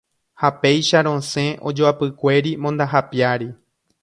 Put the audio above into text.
Ha péicha rosẽ ojoapykuéri mondaha piári.